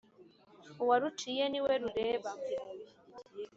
uwâruciye niwe rureba